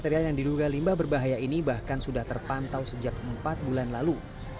material yang diduga limbah berbahaya ini bahkan sudah terpantau sejak empat bulan lalu